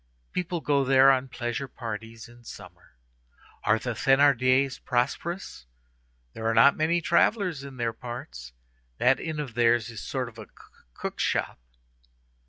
People go there on pleasure parties in summer. Are the Thénardiers prosperous? There are not many travellers in their parts. That inn of theirs is a sort of a cook shop."